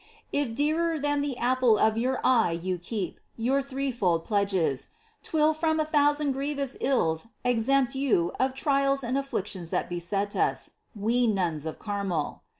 If dearer than the apple of your eye you keep Your three fold pledges, 'Twill from a thousand grievous ills exempt you Of trials and afflictions that beset us. We Nuns of Carmel